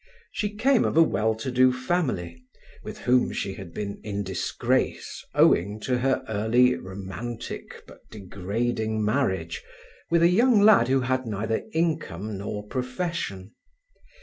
She came of a well to do family, with whom she had been in disgrace owing to her early romantic but degrading marriage with a young lad who had neither income nor profession.